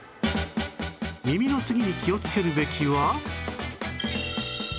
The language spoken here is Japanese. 耳の次に気をつけるべきは